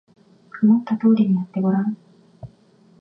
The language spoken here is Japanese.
思った通りにやってごらん